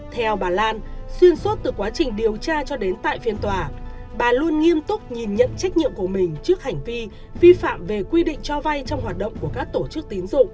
theo bà lan xuyên suốt từ quá trình điều tra cho đến tại phiên tòa bà luôn nghiêm túc nhìn nhận trách nhiệm của mình trước hành vi vi phạm về quy định cho vay trong hoạt động của các tổ chức tín dụng